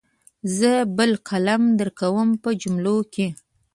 زه بل قلم درکوم په جملو کې.